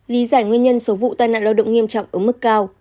lý giải nguyên nhân số vụ tai nạn lao động nghiêm trọng ở mức cao